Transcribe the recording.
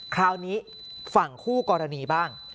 คราวนี้ฝั่งคู่กรณีบ้าง